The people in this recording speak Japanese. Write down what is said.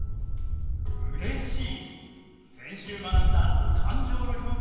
先週学んだ感情の表現